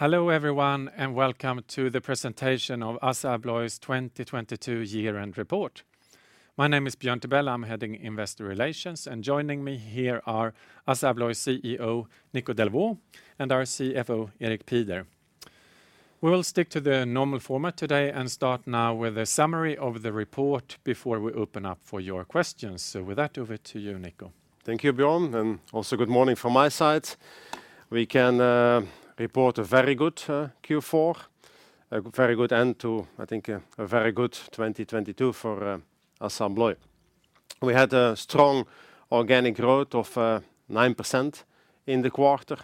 Hello, everyone, and welcome to the presentation of ASSA ABLOY's 2022 year-end report. My name is Björn Tibell. I'm heading Investor Relations, and joining me here are ASSA ABLOY CEO Nico Delvaux and our CFO, Erik Pieder. We'll stick to the normal format today and start now with a summary of the report before we open up for your questions. With that, over to you, Nico. Thank you, Björn. Good morning from my side. We can report a very good Q4, a very good end to, I think, a very good 2022 for ASSA ABLOY. We had a strong organic growth of 9% in the quarter,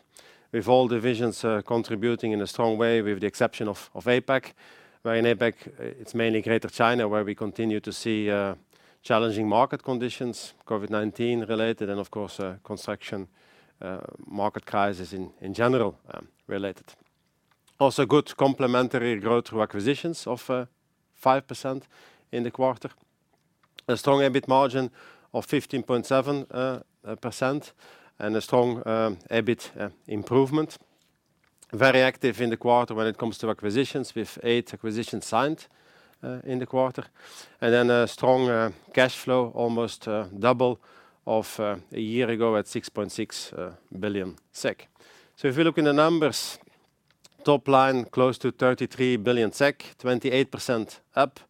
with all divisions contributing in a strong way with the exception of APAC, where in APAC it's mainly Greater China, where we continue to see challenging market conditions, COVID-19 related and, of course, construction market crisis in general related. Also, good complementary growth through acquisitions of 5% in the quarter. A strong EBIT margin of 15.7% and a strong EBIT improvement. Very active in the quarter when it comes to acquisitions, with 8 acquisitions signed in the quarter. A strong cash flow, almost double of a year ago at 6.6 billion SEK. If you look in the numbers, top line close to 33 billion SEK, 28% up,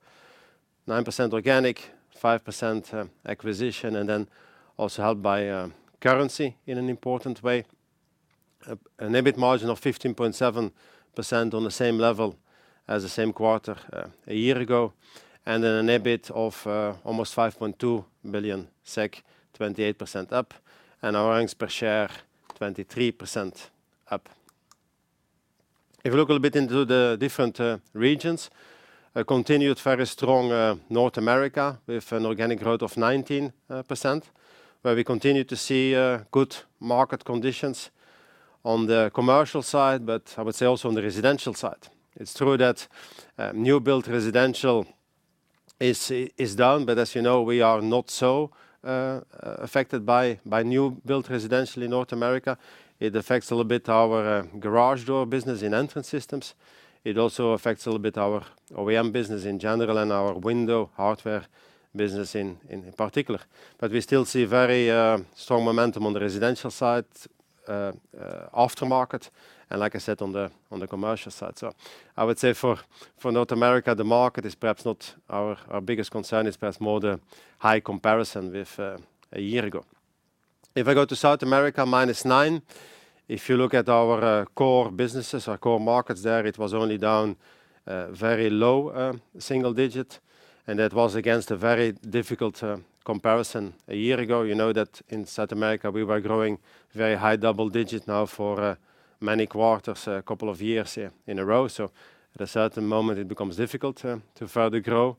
9% organic, 5% acquisition, and also helped by currency in an important way. An EBIT margin of 15.7% on the same level as the same quarter a year ago. An EBIT of almost 5.2 billion SEK, 28% up, and our earnings per share, 23% up. If you look a little bit into the different regions, a continued very strong North America with an organic growth of 19%, where we continue to see good market conditions on the commercial side, but I would say also on the residential side. It's true that new-built residential is down, but as you know, we are not so affected by new-built residential in North America. It affects a little bit our garage door business in Entrance Systems. It also affects a little bit our OEM business in general and our window hardware business in particular. We still see very strong momentum on the residential side, aftermarket, and like I said, on the commercial side. I would say for North America, the market is perhaps not our biggest concern. It's perhaps more the high comparison with a year ago. If I go to South America, minus nine. If you look at our core businesses, our core markets there, it was only down very low single digit. That was against a very difficult comparison a year ago. You know that in South America, we were growing very high double digit now for many quarters a couple of years in a row. At a certain moment it becomes difficult to further grow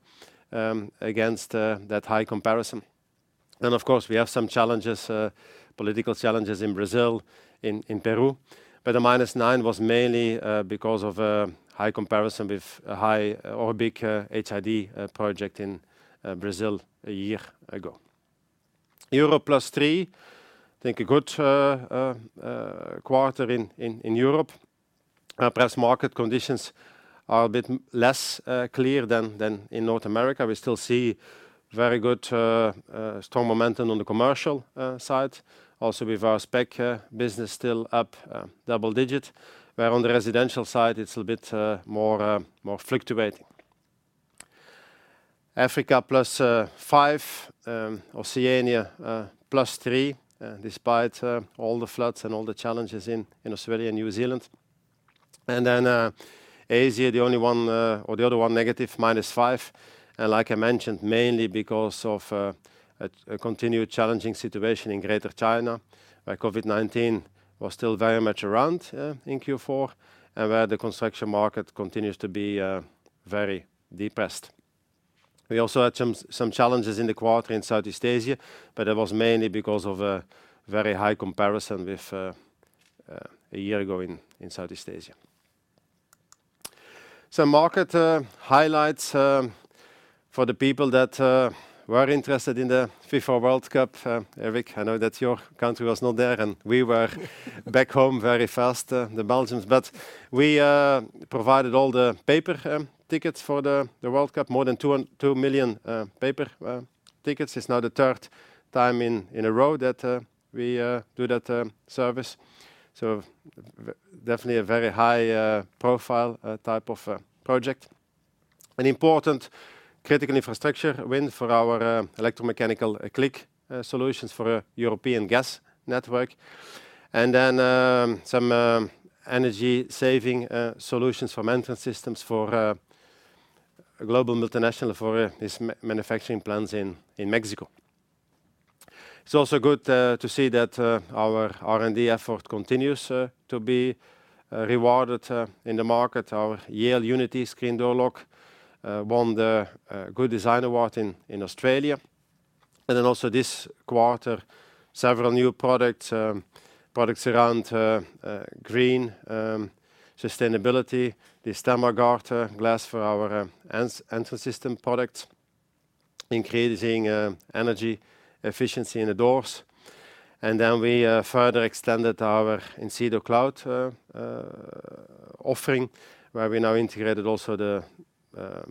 against that high comparison. Of course, we have some challenges, political challenges in Brazil, in Peru. The -9% was mainly because of a high comparison with a high Orbix HID project in Brazil a year ago. Europe +3%. I think a good quarter in Europe. Perhaps market conditions are a bit less clear than in North America. We still see very good, strong momentum on the commercial side. Also with our spec business still up double digit, where on the residential side it's a bit more fluctuating. Africa +5%, Oceania +3%, despite all the floods and all the challenges in Australia and New Zealand. Asia, the only one, or the other one, negative -5%. Like I mentioned, mainly because of a continued challenging situation in Greater China, where COVID-19 was still very much around in Q4 and where the construction market continues to be very depressed. We also had some challenges in the quarter in Southeast Asia, but it was mainly because of a very high comparison with a year ago in Southeast Asia. Some market highlights for the people that were interested in the FIFA World Cup. Erik, I know that your country was not there, we were back home very fast, the Belgians. We provided all the paper tickets for the World Cup, more than 2.2 million paper tickets. It's now the third time in a row that we do that service. Definitely a very high profile type of project. An important critical infrastructure win for our electromechanical eCLIQ solutions for a European gas network. Some energy-saving solutions from Entrance Systems for a global multinational for his manufacturing plants in Mexico. It's also good to see that our R&D effort continues to be rewarded in the market. Our Yale Unity screen door lock won the Good Design Award in Australia. Also this quarter, several new products around green sustainability. The Stammer Garter glass for our entrance system product. Increasing energy efficiency in the doors. We further extended our Incedo cloud offering, where we now integrated also the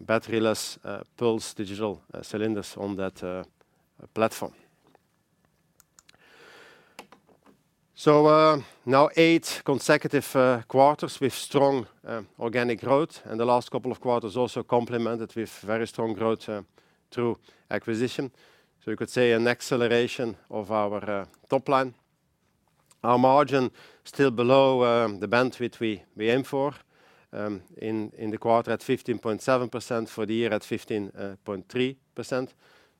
battery-less pulse digital cylinders on that platform. Now eight consecutive quarters with strong organic growth, and the last couple of quarters also complemented with very strong growth through acquisition. You could say an acceleration of our top line. Our margin still below the bandwidth we aim for in the quarter at 15.7%, for the year at 15.3%.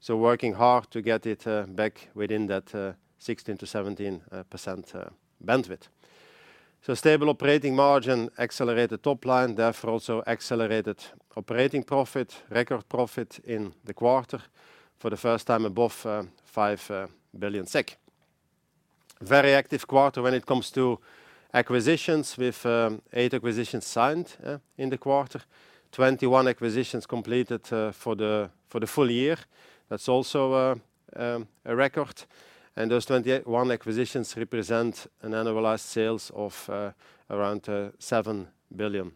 Working hard to get it back within that 16%-17% bandwidth. Stable operating margin, accelerated top line, therefore also accelerated operating profit, record profit in the quarter for the first time above 5 billion SEK. Very active quarter when it comes to acquisitions with eight acquisitions signed in the quarter. 21 acquisitions completed for the full year. That's also a record. Those 21 acquisitions represent an annualized sales of around SEK 7 billion.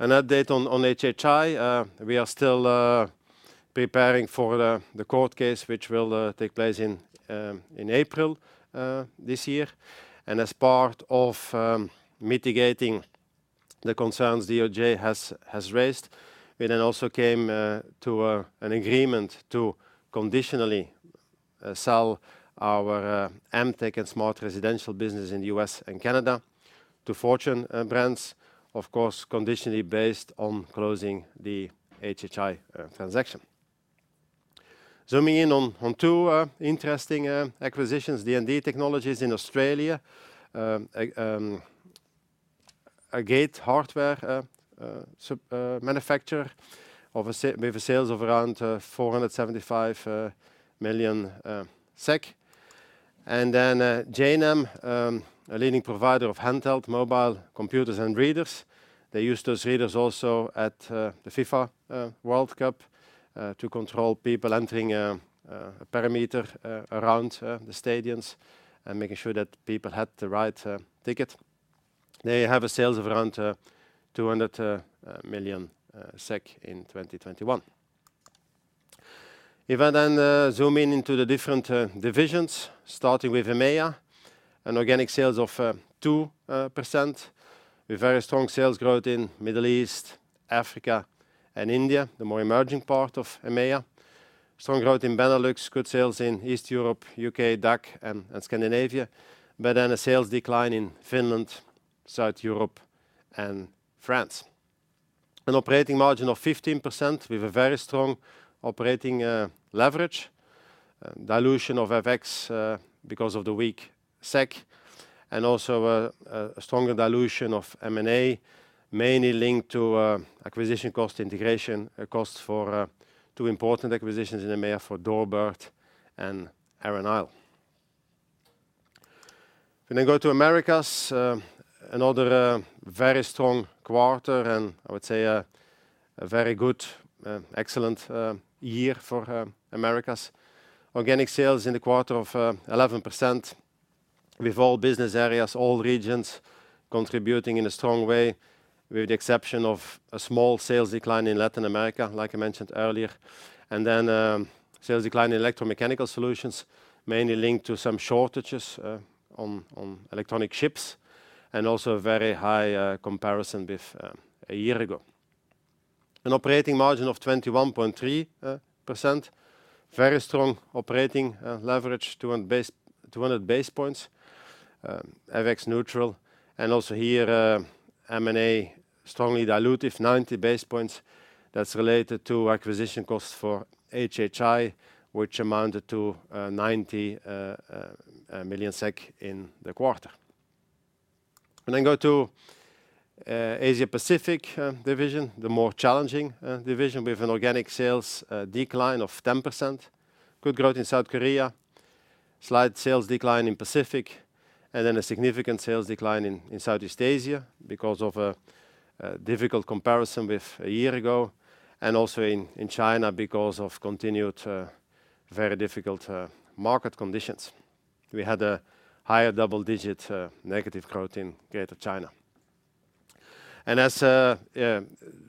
An update on HHI. We are still preparing for the court case which will take place in April this year. As part of mitigating the concerns DOJ has raised, we also came to an agreement to conditionally sell our Emtek and Smart Residential business in the U.S. and Canada to Fortune Brands, of course, conditionally based on closing the HHI transaction. Zooming in on two interesting acquisitions, D&D Technologies in Australia. A gate hardware manufacturer with sales of around 475 million SEK. Janam, a leading provider of handheld mobile computers and readers. They used those readers also at the FIFA World Cup to control people entering a parameter around the stadiums and making sure that people had the right ticket. They have a sales of around 200 million SEK in 2021. If I then zoom in into the different divisions, starting with EMEA, an organic sales of 2% with very strong sales growth in Middle East, Africa and India, the more emerging part of EMEA. Strong growth in Benelux, good sales in East Europe, UK, DACH and Scandinavia. A sales decline in Finland, South Europe and France. An operating margin of 15% with a very strong operating leverage. Dilution of FX because of the weak SEK, and also a stronger dilution of M&A, mainly linked to acquisition cost integration costs for two important acquisitions in EMEA for DoorBird and Arran Isle. Go to Americas, another very strong quarter and I would say a very good, excellent year for Americas. Organic sales in the quarter of 11% with all business areas, all regions contributing in a strong way, with the exception of a small sales decline in Latin America, like I mentioned earlier. Sales decline in electromechanical solutions, mainly linked to some shortages on electronic ships and also a very high comparison with a year ago. An operating margin of 21.3%. Very strong operating leverage, 200 basis points, FX neutral, and also here, M&A strongly dilutive, 90 basis points that's related to acquisition costs for HHI, which amounted to 90 million SEK in the quarter. We go to Asia Pacific division, the more challenging division. We have an organic sales decline of 10%. Good growth in South Korea, slight sales decline in Pacific, and then a significant sales decline in Southeast Asia because of a difficult comparison with a year ago, and also in China because of continued very difficult market conditions. We had a higher double-digit negative growth in Greater China.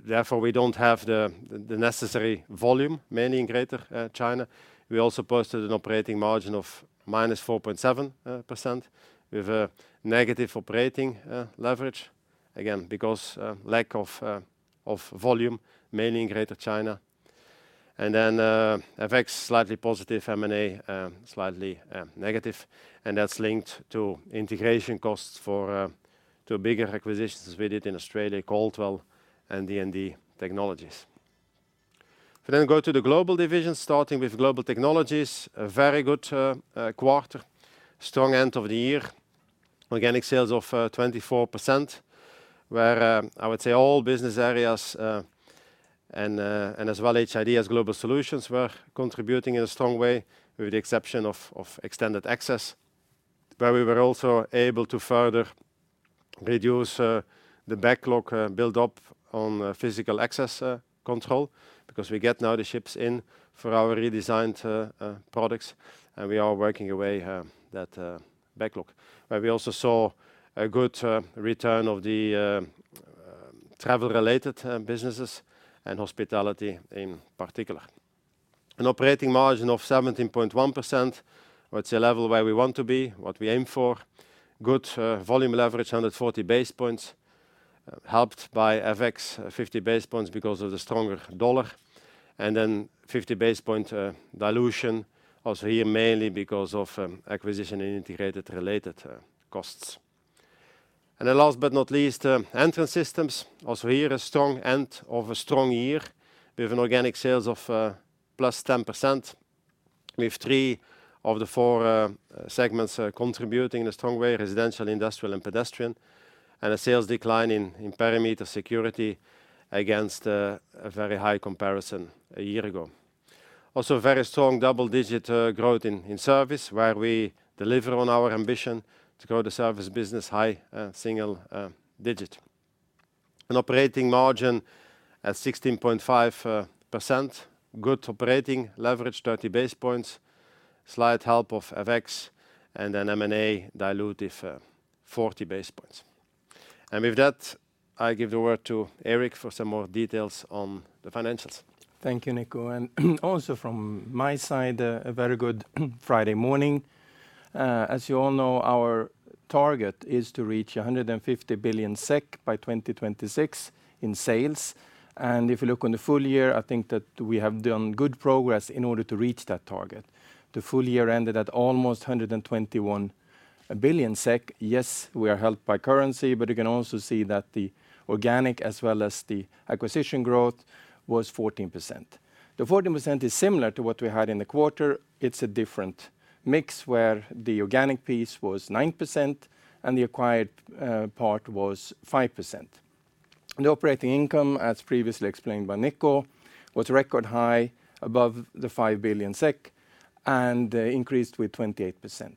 Therefore we don't have the necessary volume, mainly in Greater China. We also posted an operating margin of -4.7% with a negative operating leverage, again because lack of volume, mainly in Greater China. FX slightly positive, M&A, slightly negative. That's linked to integration costs for to bigger acquisitions we did in Australia, Caldwell and D&D Technologies. We go to the global division, starting with Global Technologies. A very good quarter, strong end of the year. Organic sales of 24%, where I would say all business areas and as well HIDs Global Solutions were contributing in a strong way, with the exception of Extended Access. Where we were also able to furtherReduce the backlog build up on physical access control because we get now the ships in for our redesigned products, and we are working away that backlog. We also saw a good return of the travel-related businesses and hospitality in particular. An operating margin of 17.1%, that's a level where we want to be, what we aim for. Good volume leverage, 140 basis points, helped by FX 50 basis points because of the stronger dollar, and then 50 basis point dilution also here mainly because of acquisition and integrated related costs. Last but not least, Entrance Systems, also here a strong end of a strong year. We have an organic sales of +10%. We have 3 of the 4 segments contributing in a strong way, residential, industrial, and pedestrian, and a sales decline in perimeter security against a very high comparison a year ago. Also, very strong double-digit growth in service, where we deliver on our ambition to grow the service business high single digit. An operating margin at 16.5%, good operating leverage, 30 basis points, slight help of FX, M&A dilutive 40 basis points. With that, I give the word to Erik for some more details on the financials. Thank you, Nico. Also from my side, a very good Friday morning. As you all know, our target is to reach 150 billion SEK by 2026 in sales. If you look on the full year, I think that we have done good progress in order to reach that target. The full year ended at almost 121 billion SEK. Yes, we are helped by currency, but you can also see that the organic as well as the acquisition growth was 14%. The 14% is similar to what we had in the quarter. It's a different mix where the organic piece was 9% and the acquired part was 5%. The operating income, as previously explained by Nico, was record high above 5 billion SEK and increased with 28%.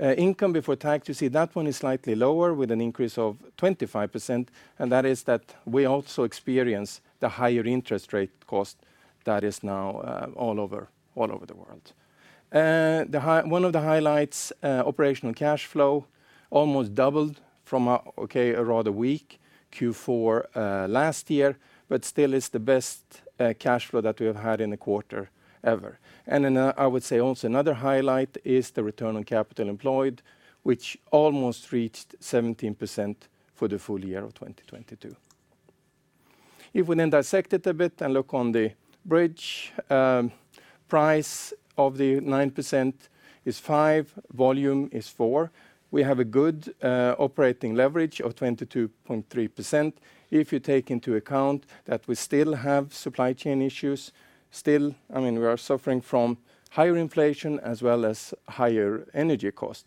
Income before tax, you see that one is slightly lower with an increase of 25%, and that is that we also experience the higher interest rate cost that is now all over the world. One of the highlights, operational cash flow almost doubled from a, okay, a rather weak Q4 last year. Still is the best cash flow that we have had in a quarter ever. I would say also another highlight is the return on capital employed, which almost reached 17% for the full year of 2022. If we then dissect it a bit and look on the bridge, price of the 9% is 5%, volume is 4%. We have a good operating leverage of 22.3%. If you take into account that we still have supply chain issues, still, I mean, we are suffering from higher inflation as well as higher energy cost.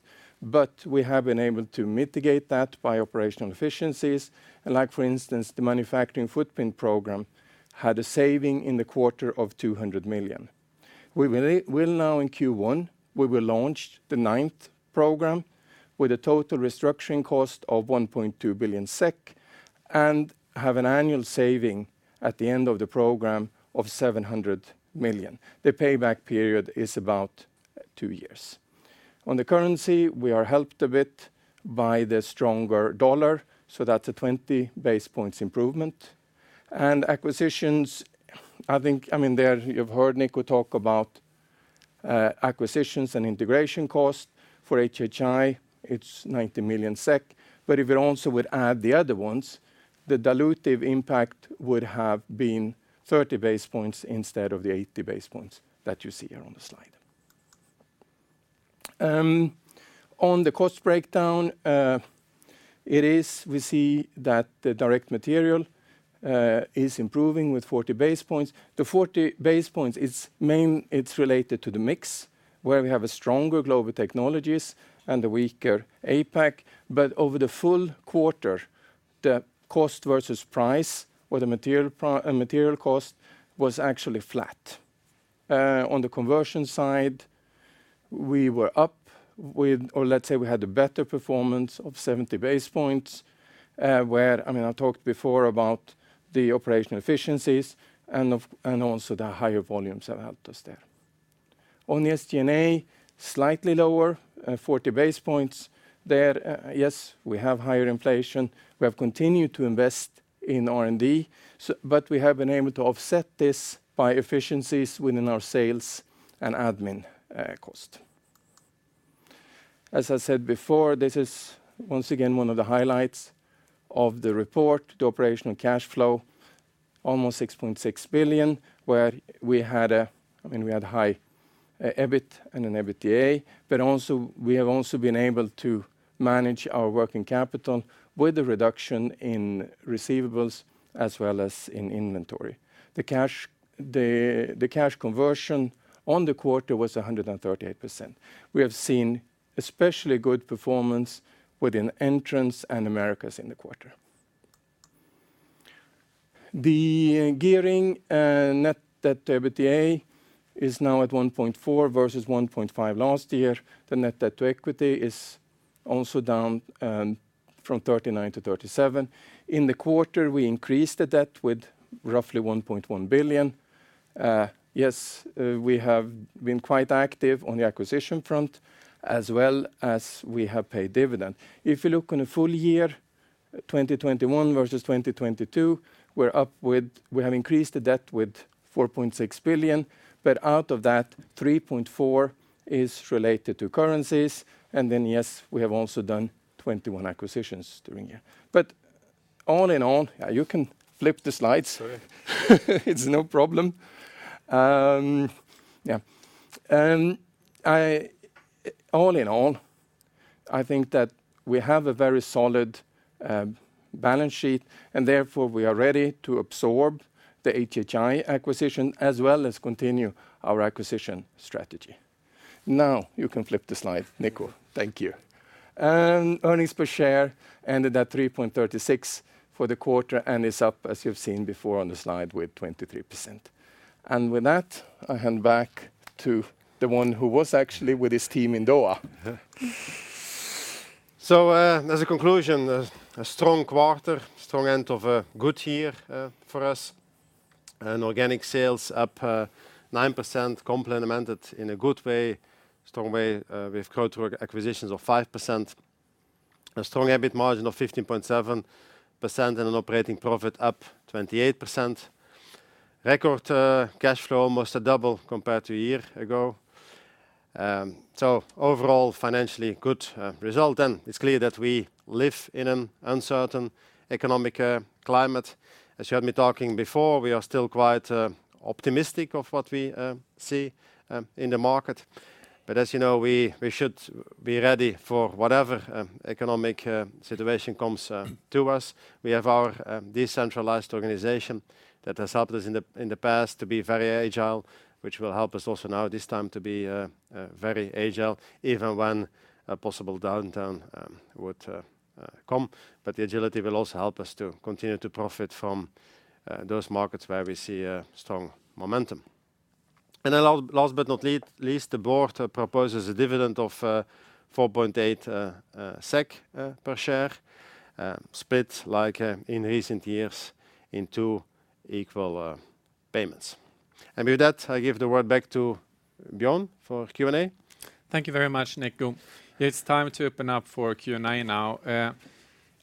We have been able to mitigate that by operational efficiencies. Like for instance, the manufacturing footprint program had a saving in the quarter of 200 million. We will now in Q1, we will launch the ninth program with a total restructuring cost of 1.2 billion SEK and have an annual saving at the end of the program of 700 million. The payback period is about 2 years. On the currency, we are helped a bit by the stronger dollar, that's a 20 basis points improvement. Acquisitions, I think, I mean, there you've heard Nico talk about acquisitions and integration cost. For HHI, it's 90 million SEK. If it also would add the other ones, the dilutive impact would have been 30 basis points instead of the 80 basis points that you see here on the slide. On the cost breakdown, it is, we see that the direct material is improving with 40 basis points. The 40 basis points is it's related to the mix, where we have a stronger Global Technologies and a weaker APAC. Over the full quarter, the cost versus price or the material cost was actually flat. On the conversion side, we were up or let's say we had a better performance of 70 basis points, where, I mean, I talked before about the operational efficiencies and also the higher volumes have helped us there. On the SG&A, slightly lower, 40 basis points. Yes, we have higher inflation. We have continued to invest in R&D, but we have been able to offset this by efficiencies within our sales and admin cost. As I said before, this is once again one of the highlights of the report, the operational cash flow, almost 6.6 billion, where we had, I mean, we had high EBIT and an EBITDA, but also we have also been able to manage our working capital with the reduction in receivables as well as in inventory. The cash conversion on the quarter was 138%. We have seen especially good performance within Entrance and Americas in the quarter. The gearing, net debt to EBITDA, is now at 1.4 versus 1.5 last year. The net debt to equity is also down, from 39 to 37. In the quarter, we increased the debt with roughly 1.1 billion. We have been quite active on the acquisition front as well as we have paid dividend. If you look on a full year, 2021 versus 2022, we have increased the debt with 4.6 billion, out of that, 3.4 billion is related to currencies. We have also done 21 acquisitions during the year. You can flip the slides. Sorry. It's no problem. Yeah. All in all, I think that we have a very solid balance sheet, and therefore, we are ready to absorb the HHI acquisition as well as continue our acquisition strategy. Now you can flip the slide, Nico. Thank you. Earnings per share ended at 3.36 for the quarter and is up, as you've seen before on the slide, with 23%. With that, I hand back to the one who was actually with his team in Doha. As a conclusion, a strong quarter, strong end of a good year for us. Organic sales up 9% complemented in a good way, strong way, with growth through acquisitions of 5%. A strong EBIT margin of 15.7% and an operating profit up 28%. Record cash flow almost a double compared to a year ago. Overall, financially good result. It's clear that we live in an uncertain economic climate. As you heard me talking before, we are still quite optimistic of what we see in the market. As you know, we should be ready for whatever economic situation comes to us. We have our decentralized organization that has helped us in the past to be very agile, which will help us also now this time to be very agile, even when a possible downturn would come. The agility will also help us to continue to profit from those markets where we see a strong momentum. Last but not least, the board proposes a dividend of 4.8 SEK per share, split like in recent years in two equal payments. With that, I give the word back to Björn for Q&A. Thank you very much, Nico. It's time to open up for Q&A now.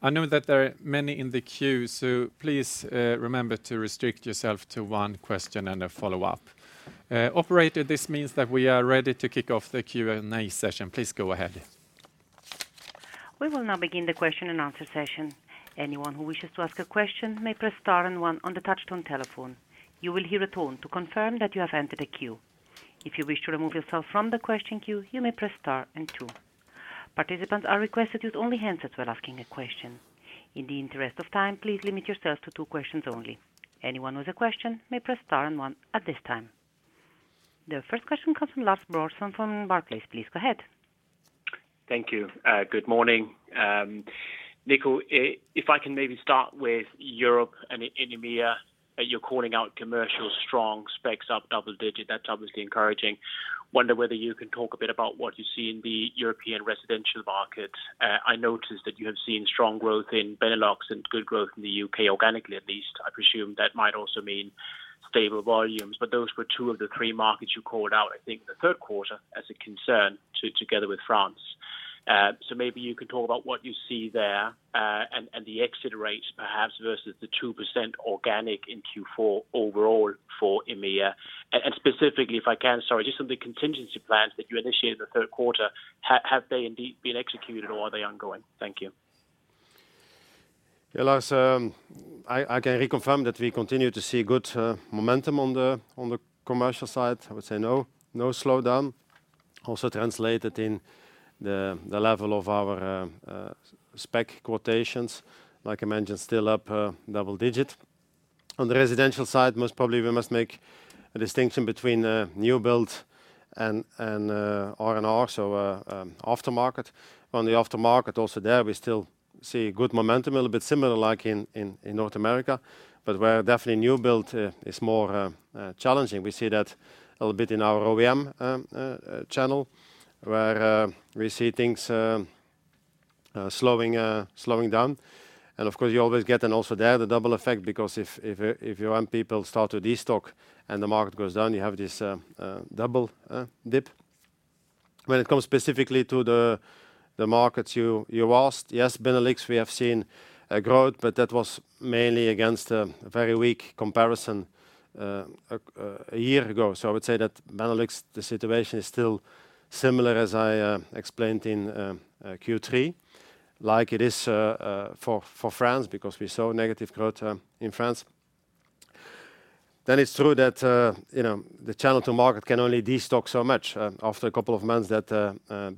I know that there are many in the queue, so please remember to restrict yourself to one question and a follow-up. Operator, this means that we are ready to kick off the Q&A session. Please go ahead. We will now begin the question-and-answer session. Anyone who wishes to ask a question may press star and one on the touchtone telephone. You will hear a tone to confirm that you have entered a queue. If you wish to remove yourself from the question queue, you may press star and two. Participants are requested to use only handsets when asking a question. In the interest of time, please limit yourself to two questions only. Anyone with a question may press star and one at this time. The first question comes from Lars Brorson from Barclays. Please go ahead. Thank you. Good morning. Nico, if I can maybe start with Europe and EMEA. You're calling out commercial strong, specs up double digit. That's obviously encouraging. Wonder whether you can talk a bit about what you see in the European residential market. I noticed that you have seen strong growth in Benelux and good growth in the UK organically, at least. I presume that might also mean stable volumes. Those were two of the three markets you called out, I think, in the Q3 as a concern together with France. Maybe you can talk about what you see there, and the exit rates perhaps versus the 2% organic in Q4 overall for EMEA. And specifically, if I can, sorry, just on the contingency plans that you initiated in the Q3, have they indeed been executed or are they ongoing? Thank you. Yeah, Lars, I can reconfirm that we continue to see good momentum on the commercial side. I would say no slowdown. Translated in the level of our spec quotations, like I mentioned, still up double digit. On the residential side, most probably we must make a distinction between new build and R&R, so aftermarket. On the aftermarket, there, we still see good momentum, a little bit similar like in North America, where definitely new build is more challenging. We see that a little bit in our OEM channel, where we see things slowing down. Of course, you always get and also there the double effect because if, if your end people start to destock and the market goes down, you have this double dip. When it comes specifically to the markets you asked, yes, Benelux, we have seen a growth, but that was mainly against a very weak comparison a year ago. I would say that Benelux, the situation is still similar as I explained in Q3, like it is for France, because we saw negative growth in France. It's true that, you know, the channel to market can only destock so much. After a couple of months that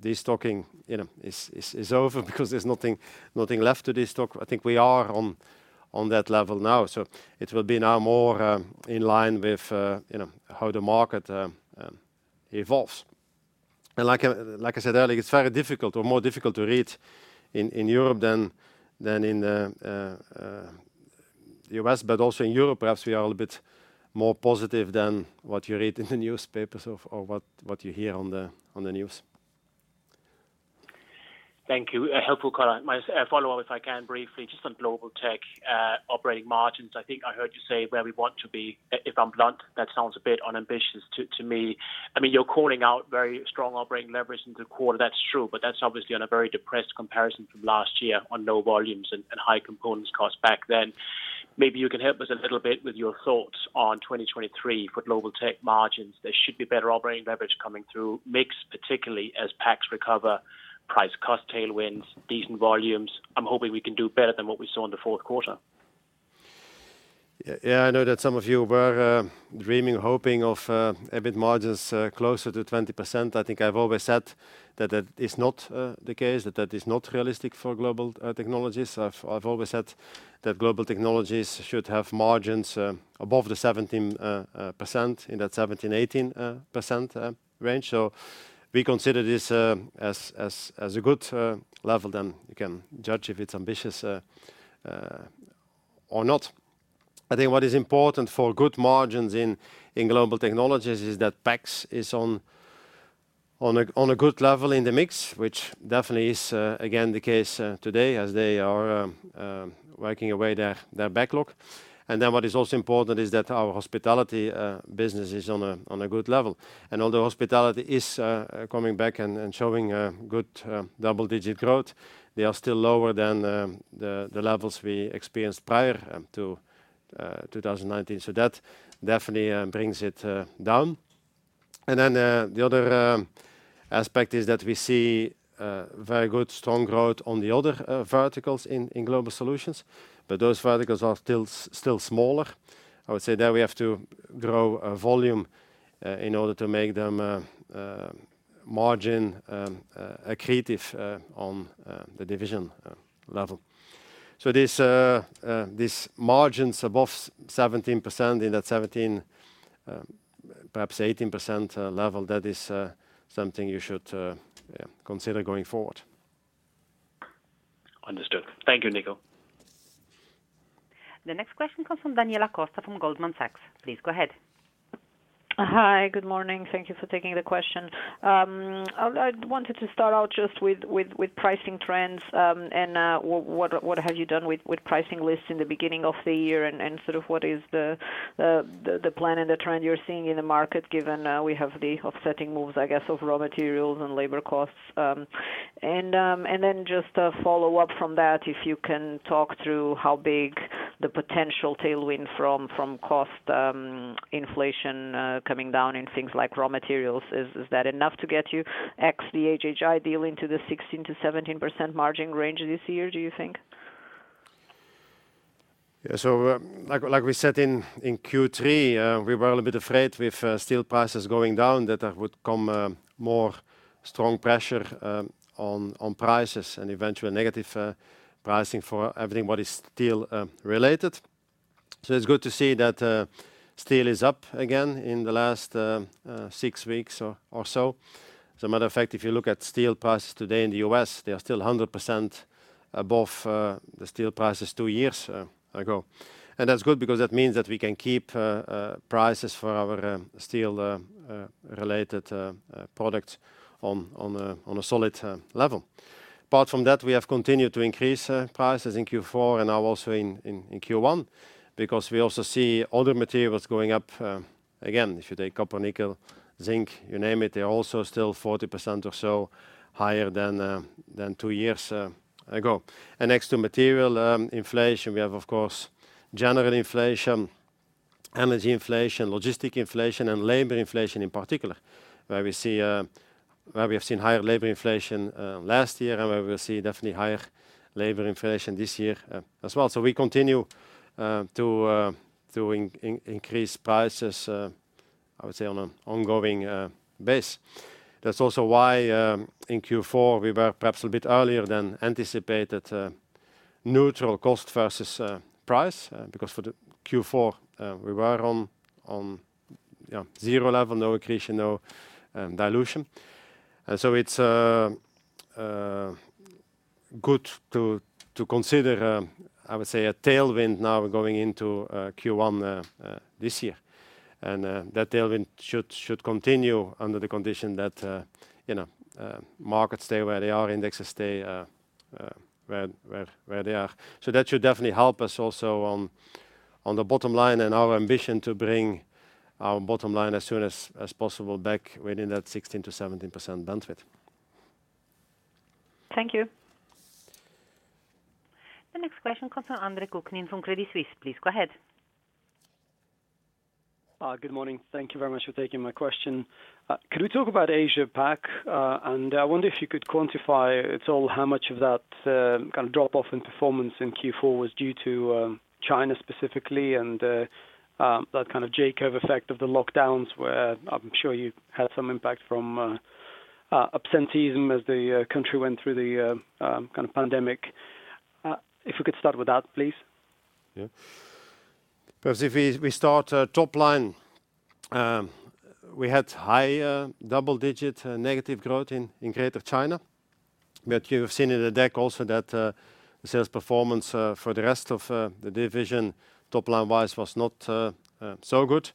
destocking, you know, is over because there's nothing left to destock. I think we are on that level now. It will be now more, in line with, you know, how the market evolves. Like I said earlier, it's very difficult or more difficult to read in Europe than in U.S. Also in Europe, perhaps we are a little bit more positive than what you read in the newspapers or what you hear on the news. Thank you. A helpful color. My follow-up, if I can briefly, just on Global Tech operating margins. I think I heard you say where we want to be. If I'm blunt, that sounds a bit unambitious to me. I mean, you're calling out very strong operating leverage in the quarter. That's true, but that's obviously on a very depressed comparison from last year on low volumes and high components costs back then. Maybe you can help us a little bit with your thoughts on 2023 for Global Tech margins. There should be better operating leverage coming through, mix particularly as PACS recover, price cost tailwinds, decent volumes. I'm hoping we can do better than what we saw in the Q4. I know that some of you were dreaming, hoping of EBIT margins closer to 20%. I've always said that that is not the case, that that is not realistic for Global Technologies. I've always said that Global Technologies should have margins above the 17%, in that 17%-18% range. We consider this as a good level, then you can judge if it's ambitious or not. I think what is important for good margins in Global Technologies is that PACS is on a good level in the mix, which definitely is again the case today as they are working away their backlog. What is also important is that our hospitality business is on a good level. Although hospitality is coming back and showing good double-digit growth, they are still lower than the levels we experienced prior to 2019. That definitely brings it down. The other aspect is that we see very good strong growth on the other verticals in Global Solutions. Those verticals are still smaller. I would say there we have to grow volume in order to make them margin accretive on the division level. This margins above 17% in that 17%, perhaps 18% level, that is something you should yeah, consider going forward. Understood. Thank you, Nico. The next question comes from Daniela Costa from Goldman Sachs. Please go ahead. Hi, good morning. Thank you for taking the question. I wanted to start out just with pricing trends and what have you done with pricing lists in the beginning of the year and sort of what is the plan and the trend you're seeing in the market given we have the offsetting moves, I guess, of raw materials and labor costs. Then just a follow-up from that. If you can talk through how big the potential tailwind from cost inflation coming down in things like raw materials, is that enough to get you X the HHI deal into the 16%-17% margin range this year, do you think? Yeah. Like we said in Q3, we were a little bit afraid with steel prices going down that there would come more strong pressure on prices and eventually negative pricing for everybody's steel related. It's good to see that steel is up again in the last six weeks or so. As a matter of fact, if you look at steel prices today in the U.S., they are still 100% above the steel prices two years ago. That's good because that means that we can keep prices for our steel related products on a solid level. Apart from that, we have continued to increase prices in Q4 and now also in Q1, because we also see other materials going up. Again, if you take copper, nickel, zinc, you name it, they're also still 40% or so higher than 2 years ago. Next to material inflation, we have, of course, general inflation, energy inflation, logistic inflation, and labor inflation in particular. Where we see, where we have seen higher labor inflation last year, and where we will see definitely higher labor inflation this year, as well. We continue to increase prices, I would say on an ongoing base. That's also why, in Q4, we were perhaps a bit earlier than anticipated, neutral cost versus price. Because for the Q4, we were on, you know, zero level, no accretion, no dilution. It's good to consider, I would say a tailwind now going into Q1 this year. That tailwind should continue under the condition that, you know, markets stay where they are, indexes stay where they are. That should definitely help us also on the bottom line and our ambition to bring our bottom line as soon as possible back within that 16%-17% bandwidth. Thank you. The next question comes from Andre Kukhnin from Credit Suisse. Please go ahead. Good morning. Thank you very much for taking my question. Can we talk about Asia Pac? I wonder if you could quantify at all how much of that, kind of drop off in performance in Q4 was due to China specifically and that kind of Jacob effect of the lockdowns where I'm sure you had some impact from absenteeism as the country went through the kind of pandemic? If we could start with that, please. Because if we start top line, we had high double-digit negative growth in Greater China. You have seen in the deck also that sales performance for the rest of the division top line wise was not so good.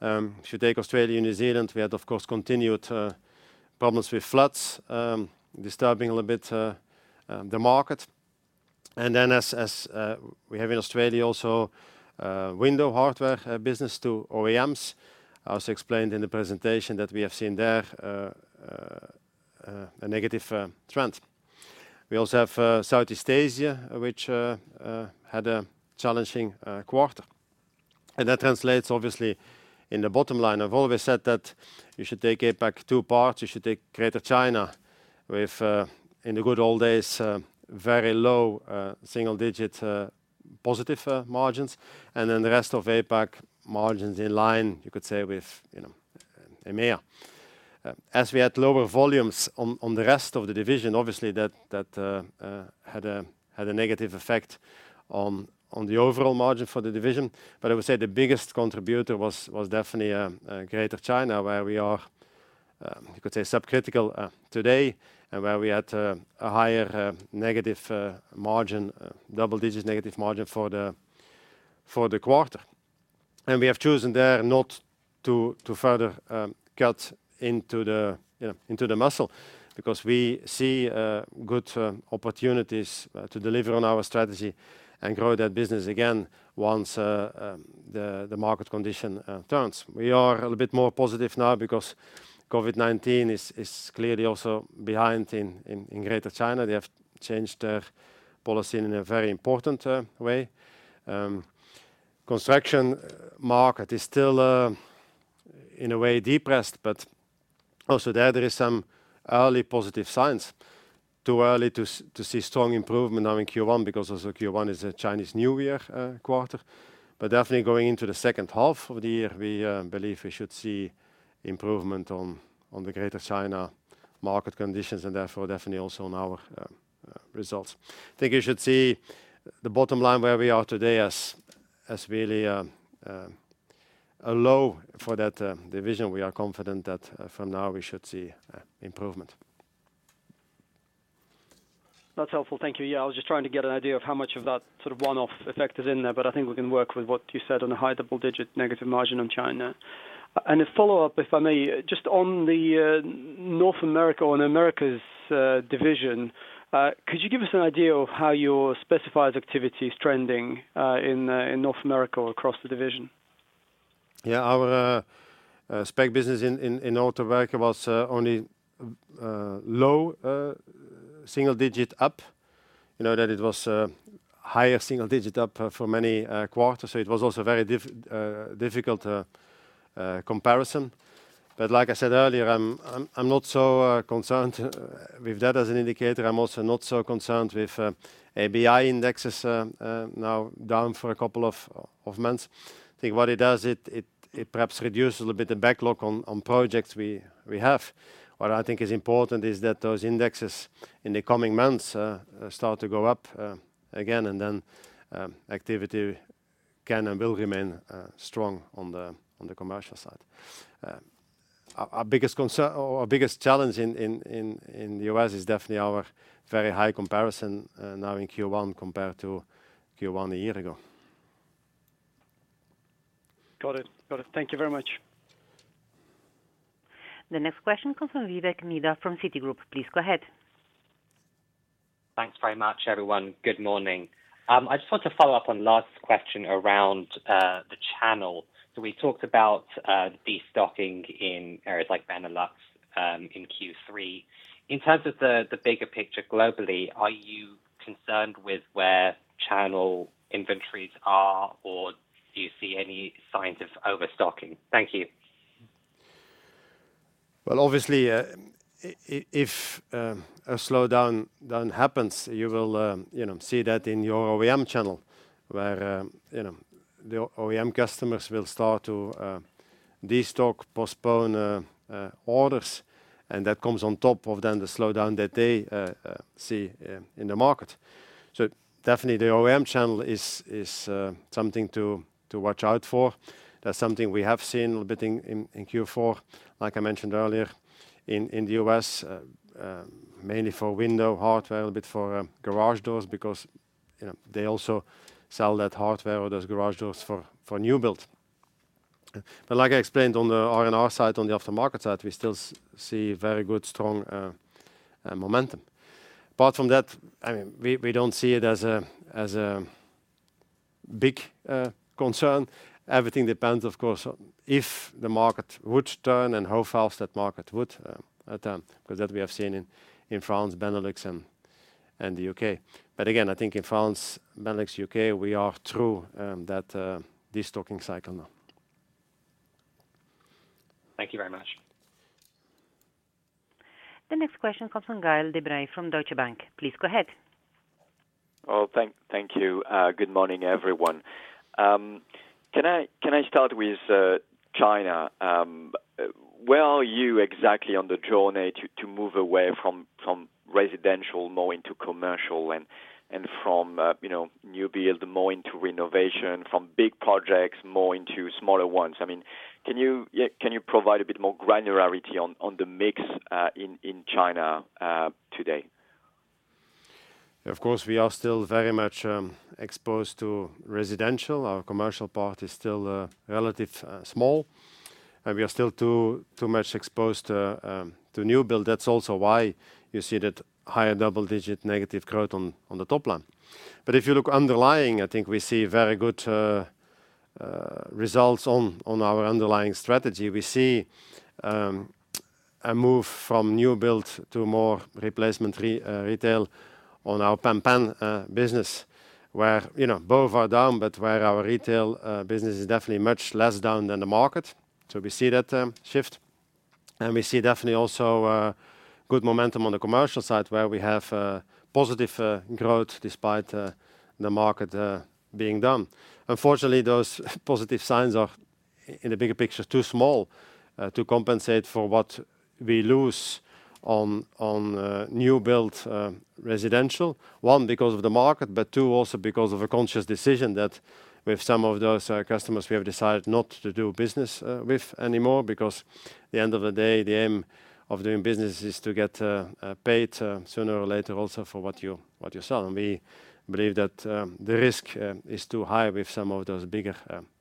If you take Australia and New Zealand, we had of course continued problems with floods, disturbing a little bit the market. As we have in Australia also window hardware business to OEMs, as explained in the presentation that we have seen there a negative trend. We also have Southeast Asia, which had a challenging quarter. That translates obviously in the bottom line. I've always said that you should take APAC 2 parts. You should take Greater China with, in the good old days, very low, single digit, positive, margins. The rest of APAC margins in line, you could say with, you know, EMEA. We had lower volumes on the rest of the division, obviously that had a negative effect on the overall margin for the division. I would say the biggest contributor was definitely Greater China, where we are, you could say subcritical, today, and where we had a higher negative margin, double digit negative margin for the quarter. We have chosen there not to further cut into the, you know, into the muscle because we see good opportunities to deliver on our strategy and grow that business again once the market condition turns. We are a little bit more positive now because COVID-19 is clearly also behind in Greater China. They have changed their policy in a very important way. Construction market is still in a way depressed, but also there is some early positive signs. Too early to see strong improvement now in Q1 because also Q1 is a Chinese New Year quarter. Definitely going into the second half of the year, we believe we should see improvement on the Greater China market conditions and therefore definitely also on our results. I think you should see the bottom line where we are today as really, a low for that division. We are confident that, from now we should see improvement. That's helpful. Thank you. Yeah, I was just trying to get an idea of how much of that sort of one-off effect is in there, but I think we can work with what you said on a high double digit negative margin on China. A follow-up, if I may, just on the North America or Americas division. Could you give us an idea of how your specified activity is trending in North America across the division? Yeah. Our spec business in Americas was only low single digit up. You know that it was higher single digit up for many quarters, it was also very difficult comparison. Like I said earlier, I'm not so concerned with that as an indicator. I'm also not so concerned with ABI indexes now down for a couple of months. I think what it does it perhaps reduces a little bit the backlog on projects we have. What I think is important is that those indexes in the coming months start to go up again, activity can and will remain strong on the commercial side. Our biggest concern or our biggest challenge in the U.S. is definitely our very high comparison, now in Q1 compared to Q1 a year ago. Got it. Thank you very much. The next question comes from Vivek Midha from Citigroup. Please go ahead. Thanks very much, everyone. Good morning. I just want to follow up on last question around the channel. We talked about the stocking in areas like Benelux, in Q3. In terms of the bigger picture globally, are you concerned with where channel inventories are, or do you see any signs of overstocking? Thank you. Well, obviously, if a slowdown then happens, you will, you know, see that in your OEM channel where, you know, the OEM customers will start to destock, postpone, orders and that comes on top of then the slowdown that they see in the market. Definitely the OEM channel is something to watch out for. That's something we have seen a little bit in Q4, like I mentioned earlier, in the U.S., mainly for window hardware, a bit for garage doors because, you know, they also sell that hardware or those garage doors for new build. Like I explained on the R&R side, on the aftermarket side, we still see very good strong momentum. Apart from that, I mean, we don't see it as a big concern. Everything depends, of course, on if the market would turn and how fast that market would turn, because that we have seen in France, Benelux and the UK. Again, I think in France, Benelux, UK, we are through that destocking cycle now. Thank you very much. The next question comes from Gael De Bray from Deutsche Bank. Please go ahead. Thank you. Good morning, everyone. Can I start with China? Where are you exactly on the journey to move away from residential more into commercial and from, you know, new build more into renovation from big projects more into smaller ones? I mean, can you provide a bit more granularity on the mix in China today? Of course, we are still very much exposed to residential. Our commercial part is still relative small. We are still too much exposed to new build. That's also why you see that higher double-digit negative growth on the top line. If you look underlying, I think we see very good results on our underlying strategy. We see a move from new build to more replacement retail on our Pan Pan business where, you know, both are down but where our retail business is definitely much less down than the market. We see that shift. We see definitely also good momentum on the commercial side where we have positive growth despite the market being down. Unfortunately, those positive signs are in a bigger picture too small to compensate for what we lose on new build residential. One, because of the market, but two, also because of a conscious decision that with some of those customers we have decided not to do business with anymore because the end of the day, the aim of doing business is to get paid sooner or later also for what you sell. We believe that the risk is too high with some of those bigger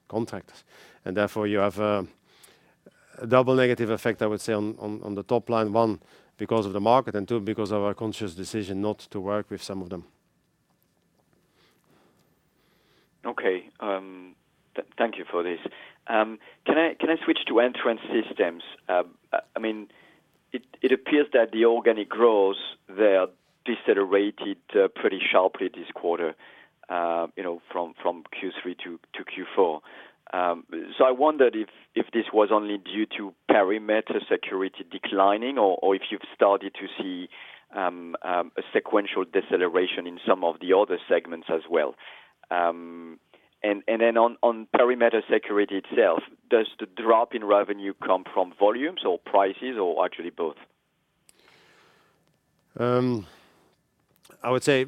contracts. Therefore, you have a double negative effect, I would say, on the top line. One, because of the market, and two, because of our conscious decision not to work with some of them. Okay. Thank you for this. Can I switch to Entrance Systems? I mean, it appears that the organic growth there decelerated pretty sharply this quarter, you know, from Q3 to Q4. I wondered if this was only due to perimeter security declining or if you've started to see a sequential deceleration in some of the other segments as well. Then on perimeter security itself, does the drop in revenue come from volumes or prices or actually both? I would say,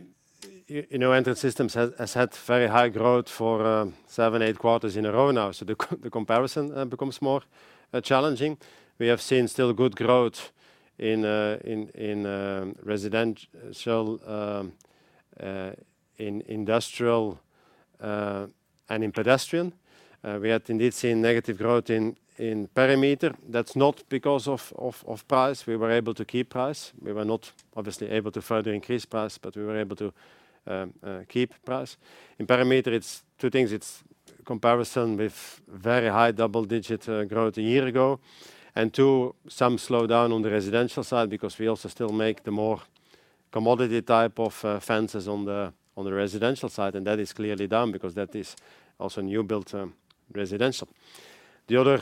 you know, Entrance Systems has had very high growth for 7, 8 quarters in a row now. So the comparison becomes more challenging. We have seen still good growth in residential, in industrial, and in pedestrian. We had indeed seen negative growth in perimeter. That's not because of price. We were able to keep price. We were not obviously able to further increase price, but we were able to keep price. In perimeter, it's 2 things. It's comparison with very high double-digit growth a year ago. And 2, some slowdown on the residential side because we also still make the more commodity type of fences on the residential side, and that is clearly down because that is also new built residential. The other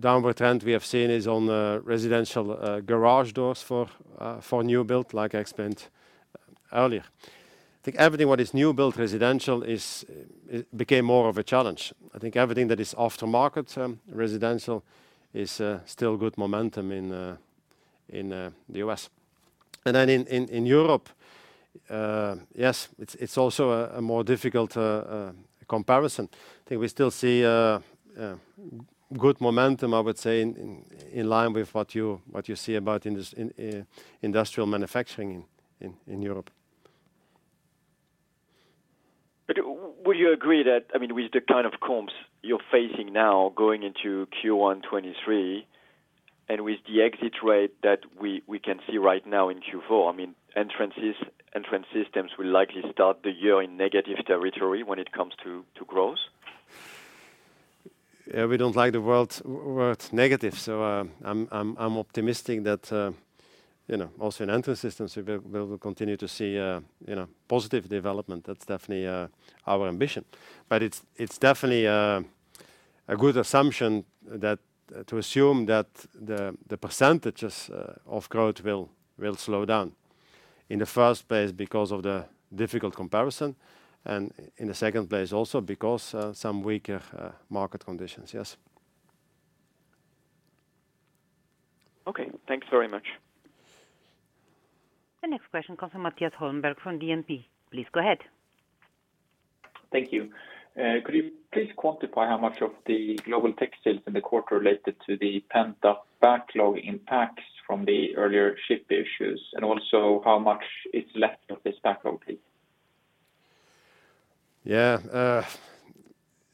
downward trend we have seen is on the residential garage doors for new built, like I explained earlier. I think everything what is new built residential it became more of a challenge. I think everything that is aftermarket residential is still good momentum in the U.S. In Europe, yes, it's also a more difficult comparison. I think we still see good momentum, I would say, in line with what you see about industrial manufacturing in Europe. Would you agree that, I mean, with the kind of comps you're facing now going into Q1 2023 and with the exit rate that we can see right now in Q4, I mean, Entrance Systems will likely start the year in negative territory when it comes to growth? We don't like the world negative. I'm optimistic that, you know, also in Entrance Systems, we will continue to see, you know, positive development. That's definitely our ambition. It's definitely a good assumption to assume that the percentages of growth will slow down. In the first place because of the difficult comparison, in the second place also because some weaker market conditions. Yes. Okay. Thank you very much. The next question comes from Mattias Holmberg from DNB. Please go ahead. Thank you. Could you please quantify how much of the Global Tech sales in the quarter related to the PEM backlog impacts from the earlier ship issues? Also how much is left of this backlog, please? Yeah.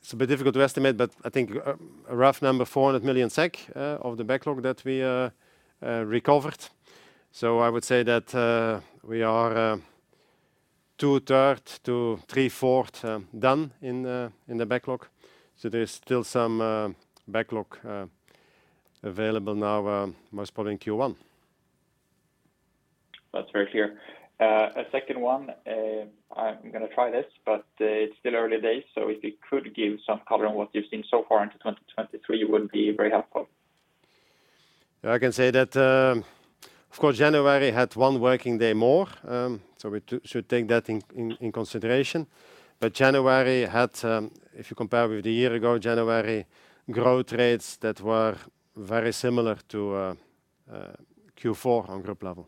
It's a bit difficult to estimate, but I think a rough number, 400 million SEK, of the backlog that we recovered. I would say that we are two third to three fourth done in the backlog. There's still some backlog available now most probably in Q1. That's very clear. A second one. I'm gonna try this, but it's still early days. If you could give some color on what you've seen so far into 2023 would be very helpful. I can say that, Of course, January had 1 working day more, so we should take that in consideration. January had, if you compare with the year ago, January growth rates that were very similar to, Q4 on group level.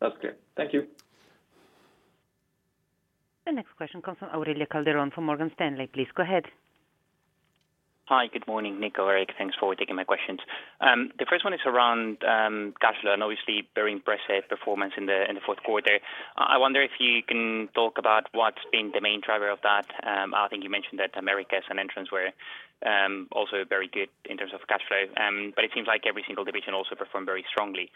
That's clear. Thank you. The next question comes from Celine Cherubin from Morgan Stanley. Please go ahead. Hi. Good morning, Nico, Erik. Thanks for taking my questions. The first one is around cash flow and obviously very impressive performance in the Q4. I wonder if you can talk about what's been the main driver of that. I think you mentioned that Americas and Entrance were also very good in terms of cash flow. It seems like every single division also performed very strongly.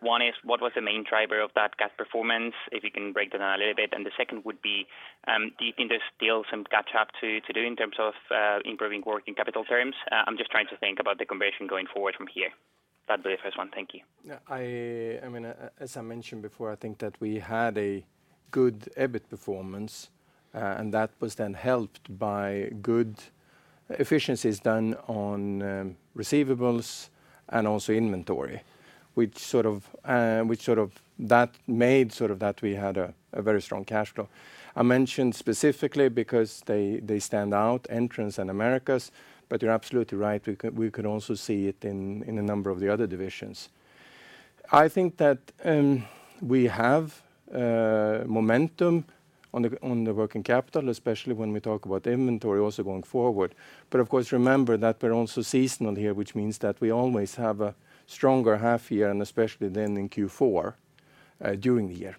What was the main driver of that cash performance? If you can break that down a little bit. Do you think there's still some catch up to do in terms of improving working capital terms? I'm just trying to think about the conversion going forward from here. That'd be the first one. Thank you. Yeah, I mean, as I mentioned before, I think that we had a good EBIT performance, and that was then helped by good efficiencies done on receivables and also inventory, which sort of that made that we had a very strong cash flow. I mentioned specifically because they stand out, Entrance and Americas, but you're absolutely right. We could also see it in a number of the other divisions. I think that we have momentum on the working capital, especially when we talk about inventory also going forward. Of course, remember that we're also seasonal here, which means that we always have a stronger half year and especially then in Q4 during the year.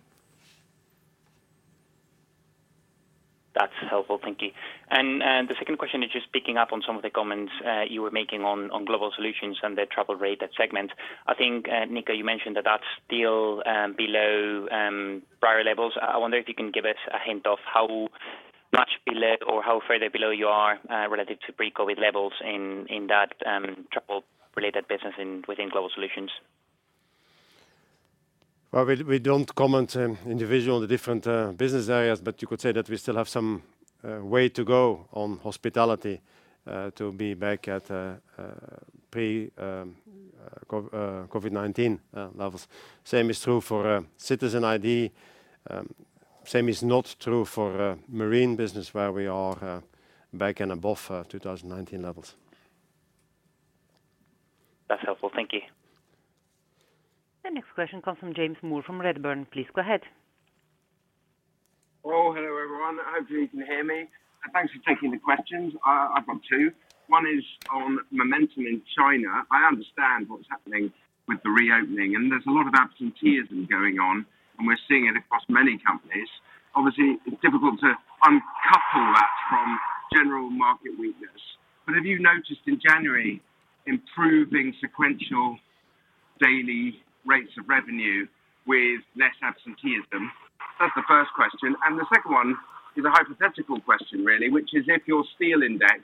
That's helpful. Thank you. The second question is just picking up on some of the comments, you were making on Global Solutions and the travel related segment. I think Nico, you mentioned that that's still below prior levels. I wonder if you can give us a hint of how much below or how further below you are, relative to pre-COVID levels in that travel related business within Global Solutions. Well, we don't comment on individual different business areas, but you could say that we still have some way to go on hospitality to be back at pre COVID-19 levels. Same is true for citizen ID. Same is not true for marine business, where we are back in above 2019 levels. That's helpful. Thank you. The next question comes from James Moore from Redburn. Please go ahead. Hello, everyone. Hopefully you can hear me. Thanks for taking the questions. I've got 2. One is on momentum in China. I understand what's happening with the reopening, and there's a lot of absenteeism going on, and we're seeing it across many companies. Obviously, it's difficult to uncouple that from general market weakness. Have you noticed in January improving sequential daily rates of revenue with less absenteeism? That's the first question. The second one is a hypothetical question, really, which is if your steel index,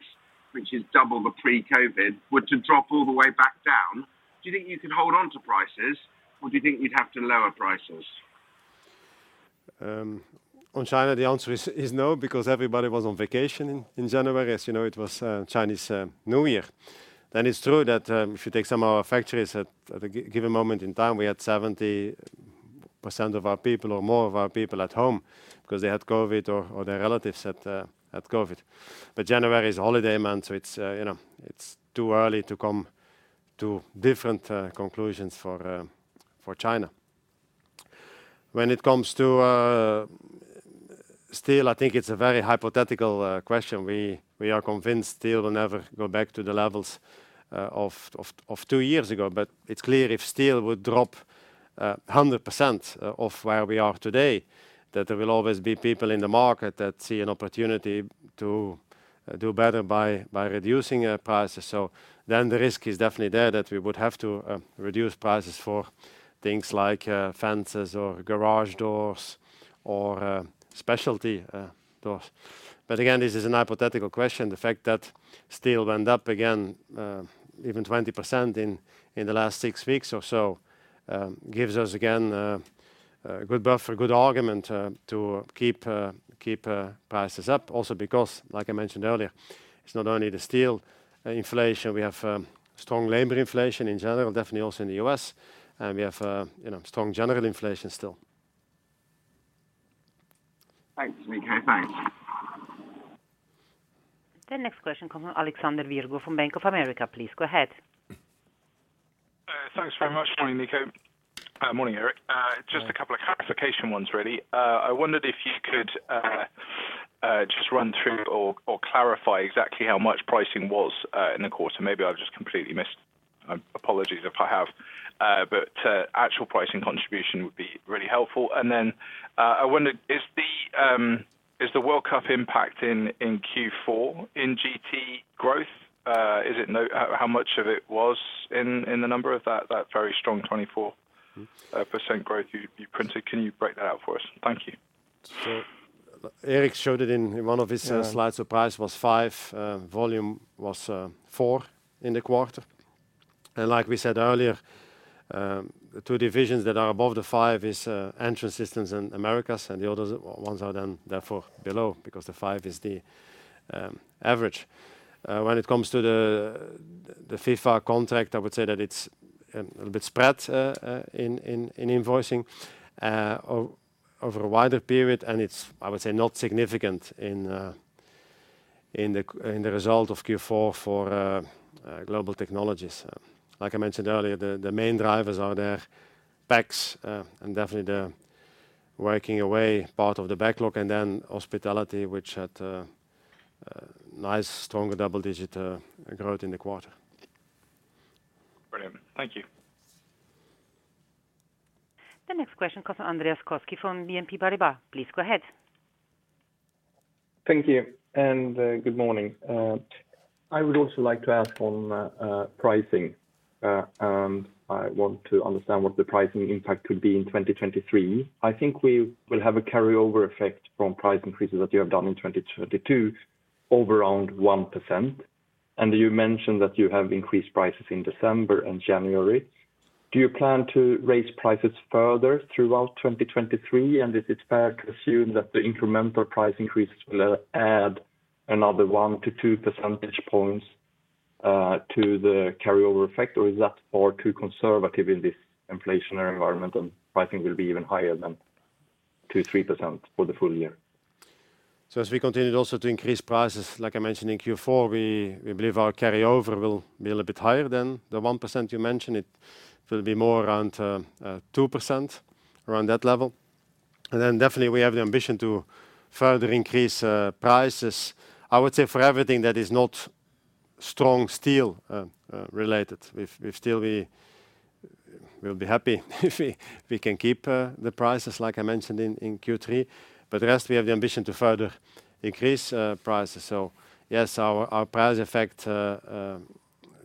which is double the pre-COVID, were to drop all the way back down, do you think you could hold on to prices or do you think you'd have to lower prices? On China, the answer is no, because everybody was on vacation in January. As you know, it was Chinese New Year. It's true that if you take some of our factories at a given moment in time, we had 70% of our people or more of our people at home because they had COVID or their relatives had COVID. January is a holiday month, you know, it's too early to come to different conclusions for China. When it comes to steel, I think it's a very hypothetical question. We are convinced steel will never go back to the levels of two years ago. It's clear if steel would drop 100% of where we are today, that there will always be people in the market that see an opportunity to do better by reducing prices. The risk is definitely there that we would have to reduce prices for things like fences or garage doors or specialty doors. Again, this is an hypothetical question. The fact that steel went up again, even 20% in the last 6 weeks or so, gives us again a good buffer, a good argument to keep prices up. Because like I mentioned earlier, it's not only the steel inflation, we have strong labor inflation in general, definitely also in the US, and we have, you know, strong general inflation still. Thanks, Nico. Thanks. The next question comes from Alexander Virgo from Bank of America. Please go ahead. Thanks very much. Morning, Nico. Morning, Erik Pieder. Just a couple of clarification ones, really. I wondered if you could just run through or clarify exactly how much pricing was in the quarter. Maybe I've just completely missed. Apologies if I have. But actual pricing contribution would be really helpful. Then I wondered, is the World Cup impact in Q4 in GT growth? How much of it was in the number of that very strong 24% growth you printed? Can you break that out for us? Thank you. Eric showed it in one of his slides. Surprise was 5, volume was 4 in the quarter. Like we said earlier, the two divisions that are above the 5 is Entrance Systems and Americas, and the other ones are then therefore below because the 5 is the average. When it comes to the FIFA World Cup contract, I would say that it's a little bit spread in invoicing over a wider period, and it's, I would say not significant in the result of Q4 for Global Technologies. Like I mentioned earlier, the main drivers are the PACS, and definitely the working away part of the backlog and then hospitality, which had nice strong double-digit growth in the quarter. Brilliant. Thank you. The next question comes Andreas Koski from BNP Paribas. Please go ahead. Thank you, and good morning. I would also like to ask on pricing. I want to understand what the pricing impact could be in 2023. I think we will have a carryover effect from price increases that you have done in 2022 over around 1%. You mentioned that you have increased prices in December and January. Do you plan to raise prices further throughout 2023? Is it fair to assume that the incremental price increases will add another 1-2 percentage points to the carryover effect, or is that far too conservative in this inflationary environment and pricing will be even higher than 2-3% for the full year? As we continued also to increase prices, like I mentioned in Q4, we believe our carryover will be a little bit higher than the 1% you mentioned. It will be more around 2%, around that level. Definitely we have the ambition to further increase prices. I would say for everything that is not strong steel related. With steel, we'll be happy if we can keep the prices like I mentioned in Q3. The rest we have the ambition to further increase prices. Yes, our price effect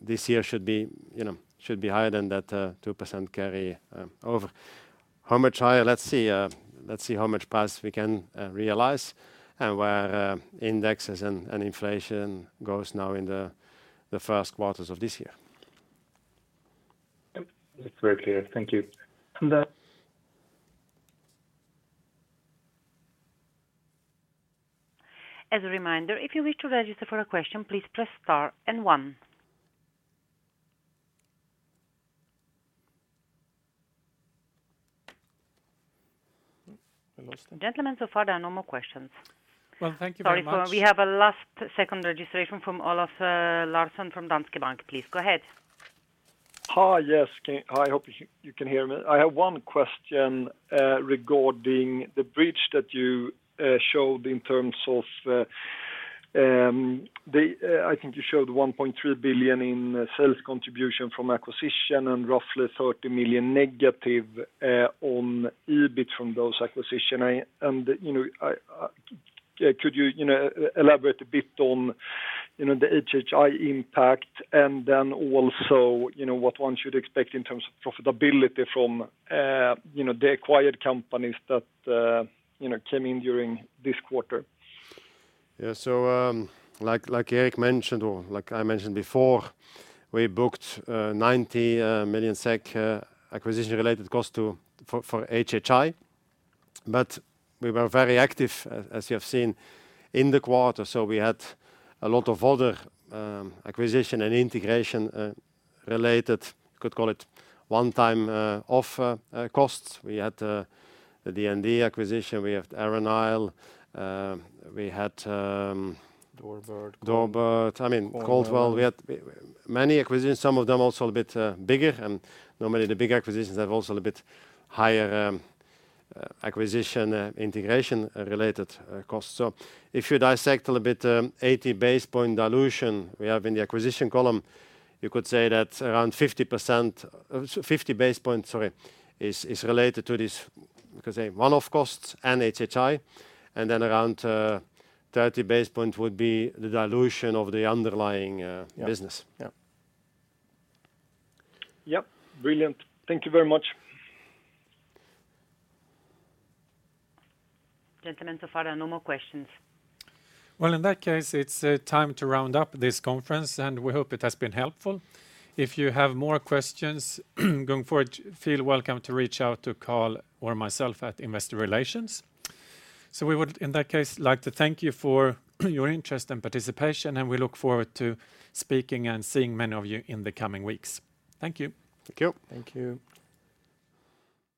this year should be, you know, should be higher than that 2% carry over. How much higher? Let's see, let's see how much price we can realize and where, indexes and inflation goes now in the first quarters of this year. Yep. That's very clear. Thank you. As a reminder, if you wish to register for a question, please press star and one. I lost him. Gentlemen, so far there are no more questions. Well, thank you very much. Sorry. We have a last second registration from Olof Larshammar from Danske Bank. Please go ahead. Hi. Yes. Hi, hope you can hear me. I have one question regarding the bridge that you showed in terms of the... I think you showed 1.3 billion in sales contribution from acquisition and roughly 30 million negative on EBIT from those acquisition. I, you know, Could you know, elaborate a bit on, you know, the HHI impact and then also, you know, what one should expect in terms of profitability from, you know, the acquired companies that, you know, came in during this quarter? Yeah. like Eric mentioned or like I mentioned before, we booked 90 million SEK acquisition related cost for HHI. We were very active, as you have seen, in the quarter. We had a lot of other acquisition and integration related, you could call it one time, of cost. We had the D&D acquisition, we have Arran Isle. Doorbird. DoorBird. I mean, Caldwell. We had many acquisitions, some of them also a bit bigger. Normally the big acquisitions have also a bit higher acquisition integration related costs. If you dissect a little bit, 80 basis points dilution we have in the acquisition column, you could say that around 50 basis points, sorry, is related to this, because, say, one-off costs and HHI, and then around 30 basis points would be the dilution of the underlying business. Yeah. Yeah. Yep. Brilliant. Thank you very much. Gentlemen, so far there are no more questions. Well, in that case, it's time to round up this conference. We hope it has been helpful. If you have more questions going forward, feel welcome to reach out to Carl or myself at Investor Relations. We would, in that case, like to thank you for your interest and participation. We look forward to speaking and seeing many of you in the coming weeks. Thank you. Thank you. Thank you.